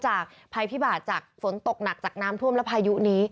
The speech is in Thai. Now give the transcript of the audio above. จากภัยพิบาลจากฝนตกหนักจากน้ำท่วมและพายุนี้